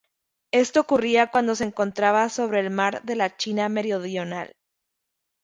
Esto ocurría cuando se encontraba sobre el Mar de la China Meridional.